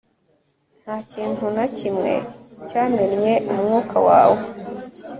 nta kintu na kimwe cyamennye umwuka wawe